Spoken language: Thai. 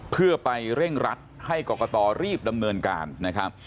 เพื่อไปเร่งรัดให้กรกตรีบดำเนินการนะครับ